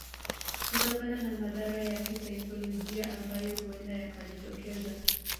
Kutokana na madhara ya kisaikolojia ambayo huenda yakajitokeza